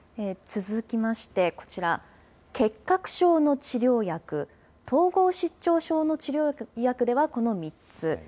続きましてこちら、結核症の治療薬、統合失調症の治療薬ではこの３つ。